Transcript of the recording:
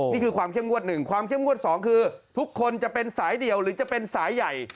นี่คือความเข้มงวดหนึ่งความเข้มงวดสองคือทุกคนจะเป็นสายเดี่ยวหรือจะเป็นสายใหญ่